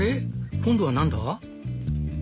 今度は何だ？」。